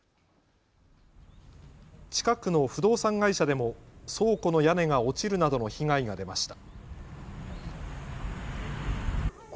近くの不動産会社でも倉庫の屋根が落ちるなどの被害が出ました。